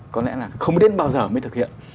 có lẽ là không đến bao giờ mới thực hiện